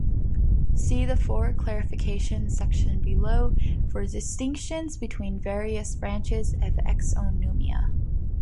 See the 'for clarification' section below for distinctions between various branches of exonumia.